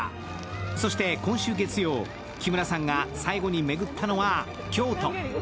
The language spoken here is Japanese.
そして今週月曜、木村さんが最後に巡ったのは京都。